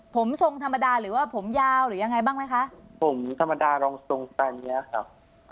ผมทรงธรรมดาหรือว่าผมยาวหรือยังไงบ้างไหมคะผมธรรมดารองทรงตามเนี้ยครับ